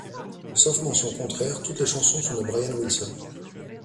Sauf mention contraire, toutes les chansons sont de Brian Wilson.